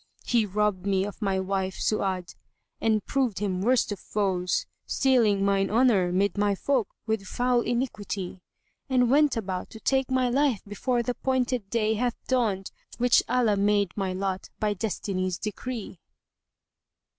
He robbed me of my wife Su'ad and proved him worst of foes, * Stealing mine honour 'mid my folk with foul iniquity; And went about to take my life before th' appointed day * Hath dawned which Allah made my lot by destiny's decree."